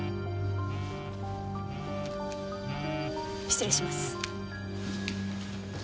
失礼します。